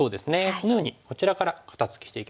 このようにこちらから肩ツキしていきます。